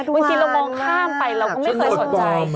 บางทีเรามองข้ามไปเราก็ไม่เคยสนใจ